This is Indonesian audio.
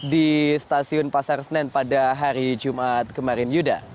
di stasiun pasar senen pada hari jumat kemarin yuda